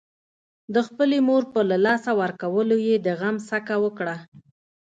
د خپلې مور په له لاسه ورکولو يې د غم څکه وکړه.